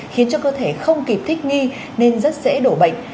khiến cho cơ thể không kịp thích nghi nên rất dễ đổ bệnh